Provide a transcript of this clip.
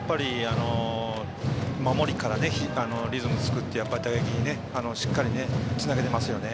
守りからリズムを作って打撃にしっかりつなげていますね。